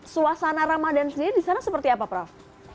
suasana ramadan sendiri di sana seperti apa prof